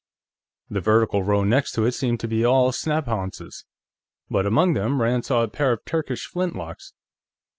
The vertical row next to it seemed to be all snaphaunces, but among them Rand saw a pair of Turkish flintlocks.